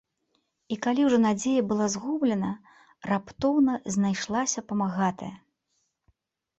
І калі ўжо надзея была згублена, раптоўна знайшлася памагатая.